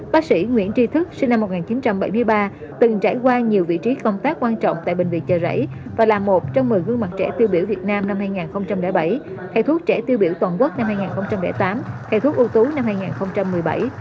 bác sĩ nguyễn tri thức sinh năm một nghìn chín trăm bảy mươi ba từng trải qua nhiều vị trí công tác quan trọng tại bệnh viện chợ rẫy và là một trong một mươi gương mặt trẻ tiêu biểu việt nam năm hai nghìn bảy thầy thuốc trẻ tiêu biểu toàn quốc năm hai nghìn tám thầy thuốc ưu tú năm hai nghìn một mươi bảy